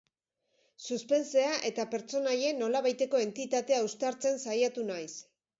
Suspensea eta pertsonaien nolabaiteko entitatea uztartzen saiatu naiz.